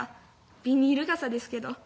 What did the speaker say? ビニール傘ですけど」。